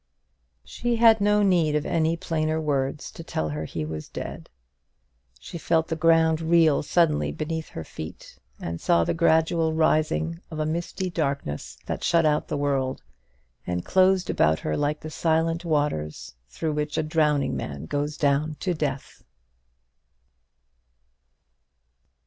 She had no need of any plainer words to tell her he was dead. She felt the ground reel suddenly beneath her feet, and saw the gradual rising of a misty darkness that shut out the world, and closed about her like the silent waters through which a drowning man goes down to death.